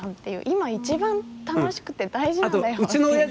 今、一番楽しくて大事なんだよっていう。